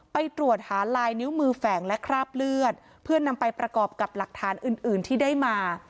ไปตรวจหาลายนิ้วมือแฝงและคราบเลือดเพื่อนำไปประกอบกับหลักฐานอื่นอื่นที่ได้มา